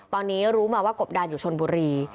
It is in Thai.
ตอนนี้รู้มาว่ากบดานอยู่ชนบุรี